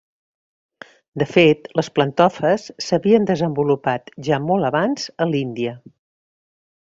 De fet, les plantofes s'havien desenvolupat ja molt abans a l'Índia.